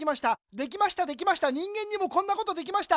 できましたできました人間にもこんなことできました。